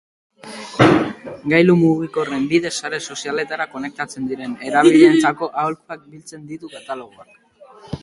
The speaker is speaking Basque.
Gailu mugikorren bidez sare sozialetara konektatzen diren erabiltzaileentzako aholkuak biltzen ditu katalogoak.